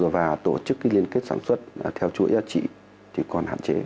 và tổ chức liên kết sản xuất theo chuỗi giá trị thì còn hạn chế